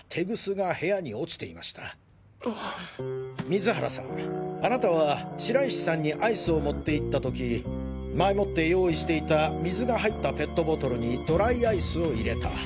水原さんあなたは白石さんにアイスを持っていった時前もって用意していた水が入ったペットボトルにドライアイスを入れた。